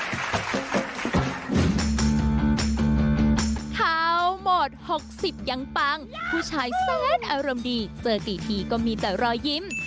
ทั้งหมด๖๐ยังปังผู้ชายแสนอารมณ์ดีเจอกี่ทีก็มีแต่รอยยิ้ม